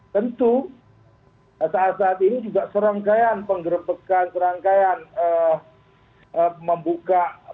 tentu saat saat ini juga serangkaian penggerbekan serangkaian membuka